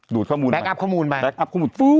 ดูดข้อมูลไป